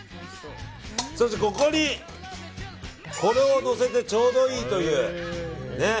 ここに、これをのせてちょうどいいという。